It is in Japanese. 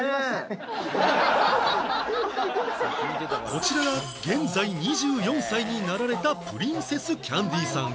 こちらが現在２４歳になられたプリンセスキャンディさん